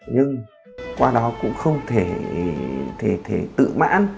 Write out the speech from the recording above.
nhưng qua đó cũng không thể tự mãn